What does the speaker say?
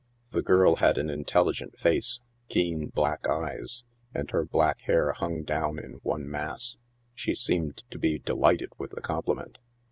The girl had an intelligent face, keen, black eyes, and her black hair hung down in one mass ; she seemed to be delighted with the compliment.